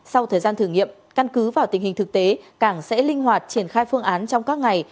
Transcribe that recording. sau thời gian thử nghiệm căn cứ vào tình hình thực tế cảng sẽ linh hoạt triển khai phương án trong các ngày